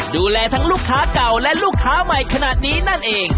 ดูแลทั้งลูกค้าเก่าและลูกค้าใหม่ขนาดนี้นั่นเอง